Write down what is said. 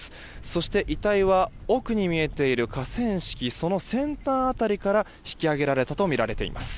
そして、遺体は奥に見えている河川敷その先端辺りから引き揚げられたとみられています。